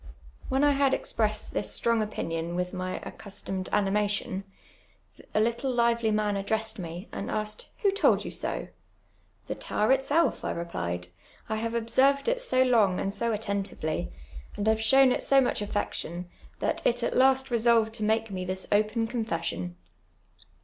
\\ hen I had expressed this stron;^: opinion with mv aceus tonu'd animation, a little HmIv man addrtssod me, and asked, «* Who told you so ?"" The tow.r itself," I replied ;" I liave observed it so lon^ and so attentively, and have shown it so mueh alieetion, that it at last resolved to make me this open confession."